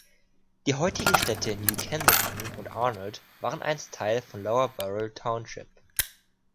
Die heutigen Städte New Kensington und Arnold waren einst Teil von Lower Burrell Township.